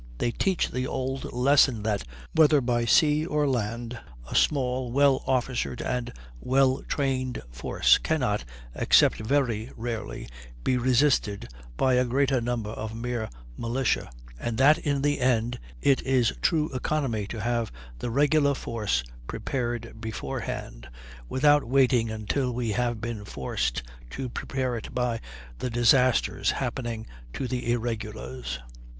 They teach the old lesson that, whether by sea or land, a small, well officered, and well trained force, can not, except very rarely, be resisted by a greater number of mere militia; and that in the end it is true economy to have the regular force prepared beforehand, without waiting until we have been forced to prepare it by the disasters happening to the irregulars.